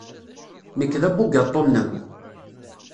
Nekk d abugaṭu-nnem.